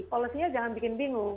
policinya jangan bikin bingung